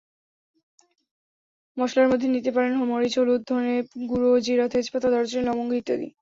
মসলার মধ্যে নিতে পারেন মরিচ, হলুদ, ধনেগুঁড়া, জিরা, তেজপাতা, দারুচিনি, লবঙ্গ ইত্যাদি।